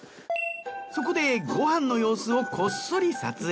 そこでご飯の様子をこっそり撮影。